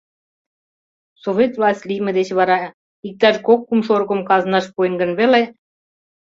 Совет власть лийме деч вара иктаж кок-кум шорыкым казнаш пуэн гын веле?